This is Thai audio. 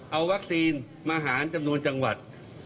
เอาวัคซีนมาหารจำนวนจังหวัด